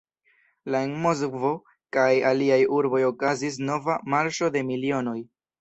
La en Moskvo kaj aliaj urboj okazis nova "Marŝo de milionoj".